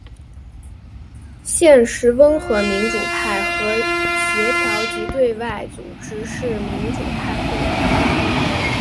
现时温和民主派的协调及对外组织是民主派会议。